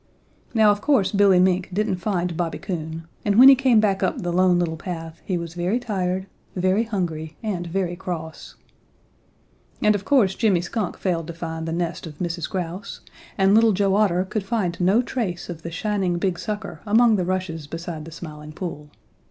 Now of course Billy Mink didn't find Bobby Coon, and when he came back up the Lone Little Path he was very tired, very hungry and very cross. And of course Jimmy Skunk failed to find the nest of Mrs. Grouse, and Little Joe Otter could find no trace of the shining big sucker among the rushes beside the Smiling Pool.